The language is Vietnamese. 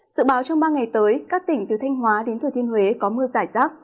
dự báo trong ba ngày tới các tỉnh từ thanh hóa đến thừa thiên huế có mưa giải rác